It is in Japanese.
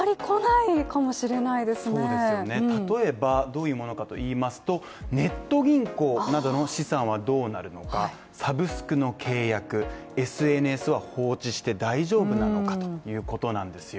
例えばどういうものかといいますとネット銀行などの資産はどうなるのか、サブスクの契約ＳＮＳは放置して大丈夫なのかということなんですよ。